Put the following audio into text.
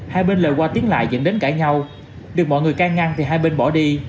hai bên lề qua tiến lại dẫn đến cãi nhau được mọi người can ngăn thì hai bên bỏ đi